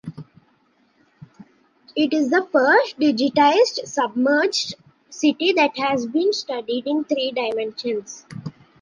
It is the first digitized submerged city that has been studied in three dimensions.